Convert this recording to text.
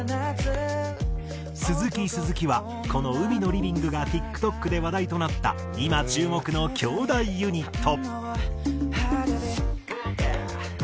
鈴木鈴木はこの『海のリビング』がＴｉｋＴｏｋで話題となった今注目の兄弟ユニット。